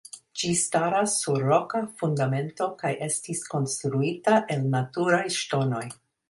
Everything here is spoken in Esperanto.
Ĝi staras sur roka fundamento kaj estis konstruita el naturaj ŝtonoj.